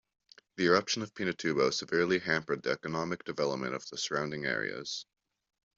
The eruption of Pinatubo severely hampered the economic development of the surrounding areas.